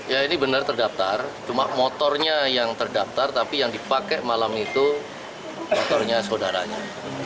ya ini benar terdaftar cuma motornya yang terdaftar tapi yang dipakai malam itu motornya saudaranya